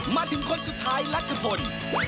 มาถึงคนสุดท้ายละครับผม